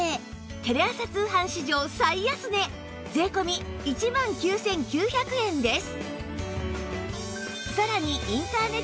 テレ朝通販史上最安値税込１万９９００円です